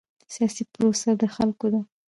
سیاسي پروسه د خلکو ده